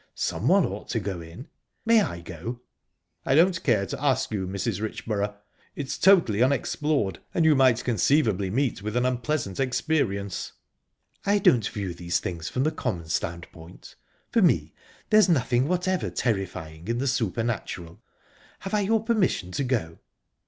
Someone ought to go in. May I go?" "I don't care to ask you, Mrs. Richborough. It's totally unexplored, and you might quite conceivably meet with an unpleasant experience." "I don't view these things from the common standpoint. For me, there's nothing whatever terrifying in the supernatural...Have I your permission to go?"